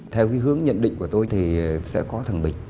theo hướng nhận định của tôi thì sẽ có thằng bình